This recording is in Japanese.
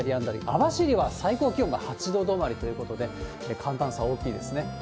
網走は最高気温が８度止まりということで、寒暖差大きいですね。